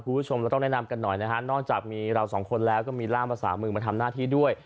คุณผู้ชมเราต้องแนะนำกันหน่อยนะฮะนอกจากมีเราสองคนแล้วก็มีร่ามภาษามือมาทำหน้าที่ด้วย